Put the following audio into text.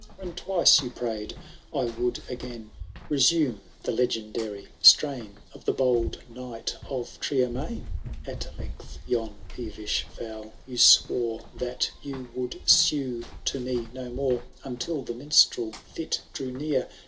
ContO III. When twice you pray'd I would again Resume the legendary strain Of the bold Knight of Triermain ? At length yon peevish vow you swore, That you would sue to me no more.* Until the minstrel fit drew near.